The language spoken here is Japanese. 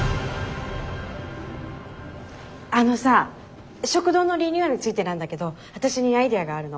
あのさ食堂のリニューアルについてなんだけど私にアイデアがあるの。